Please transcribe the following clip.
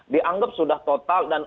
dianggap sudah total dan